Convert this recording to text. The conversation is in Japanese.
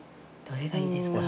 どれがいいですか？